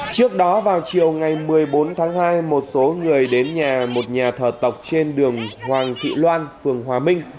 trước đó vào chiều ngày một mươi bốn tháng hai một số người đến nhà một nhà thờ tộc trên đường hoàng thị loan phường hòa minh